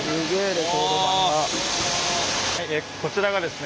こちらがですね